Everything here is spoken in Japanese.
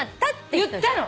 言ったの！？